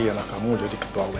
anak kamu jadi ketua who nih marel